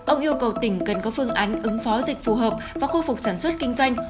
ông yêu cầu tỉnh cần có phương án ứng phó dịch phù hợp và khôi phục sản xuất kinh doanh